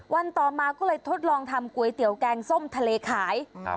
ต่อมาก็เลยทดลองทำก๋วยเตี๋ยวแกงส้มทะเลขายครับ